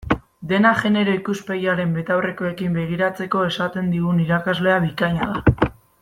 Dena genero ikuspegiaren betaurrekoekin begiratzeko esaten digun irakasle bikaina da.